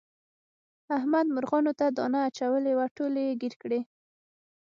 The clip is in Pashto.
احمد مرغانو ته دانه اچولې وه ټولې یې ګیر کړلې.